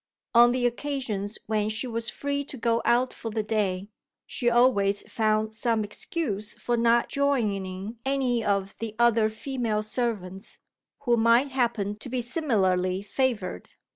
On the occasions when she was free to go out for the day, she always found some excuse for not joining any of the other female servants, who might happen to be similarly favoured.